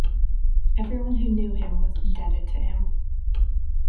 Everyone who knew him was indebted to him.